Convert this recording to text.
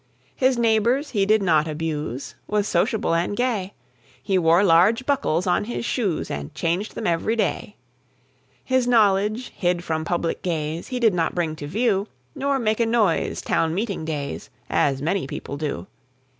His neighbours he did not abuse, Was sociable and gay; He wore large buckles on his shoes, And changed them every day. His knowledge, hid from public gaze, He did not bring to view, Nor make a noise town meeting days, As many people do.